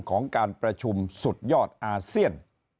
ของการประชุมสุดยอดอาเซียน